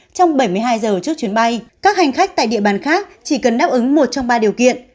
trong bảy mươi hai giờ trước chuyến bay các hành khách tại địa bàn khác chỉ cần đáp ứng một trong ba điều kiện